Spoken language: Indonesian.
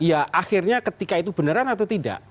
ya akhirnya ketika itu beneran atau tidak